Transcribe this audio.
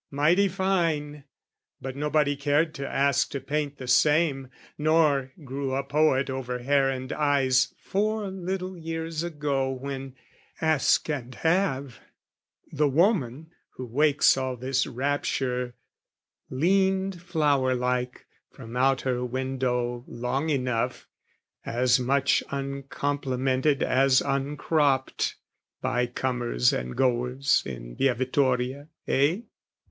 Mighty fine But nobody cared ask to paint the same, Nor grew a poet over hair and eyes Four little years ago when, ask and have, The woman who wakes all this rapture leaned Flower like from out her window long enough, As much uncomplimented as uncropped By comers and goers in Via Vittoria: eh?